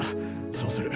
そうする。